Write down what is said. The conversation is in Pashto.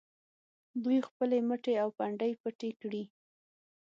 دوی خپلې مټې او پنډۍ پټې کړي.